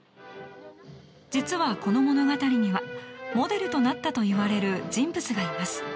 実は、この物語にはモデルとなったといわれる人物がいます。